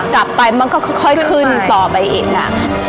กลับไปมันก็ค่อยขึ้นต่อไปอีกนะ